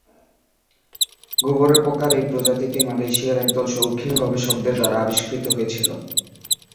গুবরে পোকার এই প্রজাতিটি মালয়েশিয়ায় একদল শৌখিন গবেষকদের দ্বারা আবিষ্কৃত হয়েছিল।